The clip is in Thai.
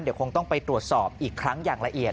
เดี๋ยวคงต้องไปตรวจสอบอีกครั้งอย่างละเอียด